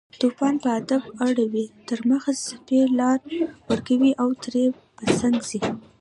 توپان په ادب اړوي تر مخه، څپې لار ورکوي او ترې په څنګ ځي